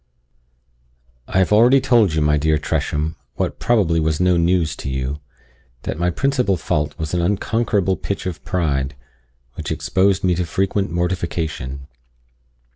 I have already told you, my dear Tresham, what probably was no news to you, that my principal fault was an unconquerable pitch of pride, which exposed me to frequent mortification.